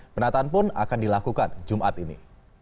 penataan pun akan dilakukan jumat ini